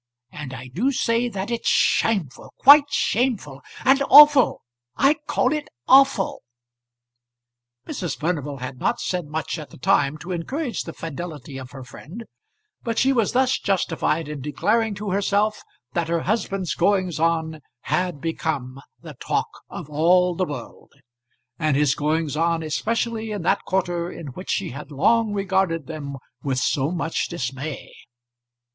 And I do say that it's shameful, quite shameful; and awful; I call it awful." Mrs. Furnival had not said much at the time to encourage the fidelity of her friend, but she was thus justified in declaring to herself that her husband's goings on had become the talk of all the world; and his goings on especially in that quarter in which she had long regarded them with so much dismay.